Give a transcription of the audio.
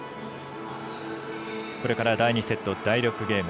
これから第２セット第６ゲーム。